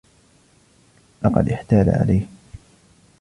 لقد إحتال عليه.